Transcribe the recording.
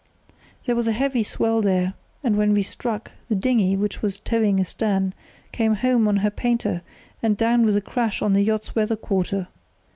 There was a heavy swell there, and when we struck, the dinghy, which was towing astern, came home on her painter and down with a crash on the yacht's weather quarter.